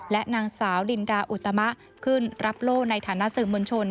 และนางสาวลินดาอุตมะขึ้นรับโล่ในฐานะสื่อมวลชน